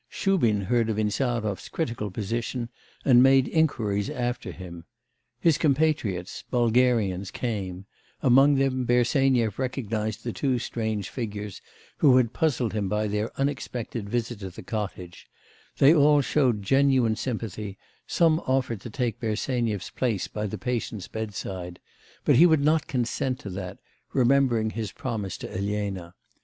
Shubin heard of Insarov's critical position, and made inquiries after him. His compatriots Bulgarians came; among them Bersenyev recognised the two strange figures, who had puzzled him by their unexpected visit to the cottage; they all showed genuine sympathy, some offered to take Bersenyev's place by the patient's bed side; but he would not consent to that, remembering his promise to Elena.